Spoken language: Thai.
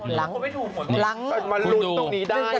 หลังหลังลุ้นตรงนี้ได้อีก๑กับ๑๖ใช่ไหม